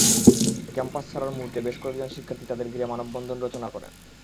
Campus ছাড়ার মুহূর্তে বেশ কয়েকজন শিক্ষার্থী তাঁদের ঘিরে মানববন্ধন রচনা করেন।